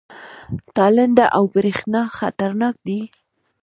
تالنده او برېښنا خطرناک دي؟